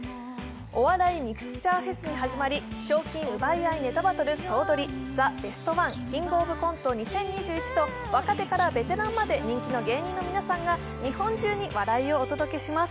「お笑いミクスチャーＦＥＳ」に始まり、「賞金奪い合いネタバトルソウドリＳＯＵＤＯＲＩ」、「ザ・ベストワン」、「キングオブコント２０２１」と、若手からベテランまで人気の芸人の皆さんが日本中に笑いをお届けします。